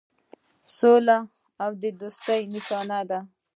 د سولې او دوستۍ نښه ده.